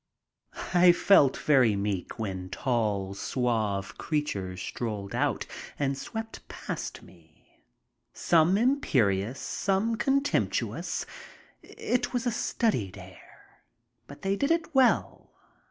I felt very meek when tall, suave creatures strolled out and swept past me, some imperious, some contemptuous. It was a studied air, but they did it well.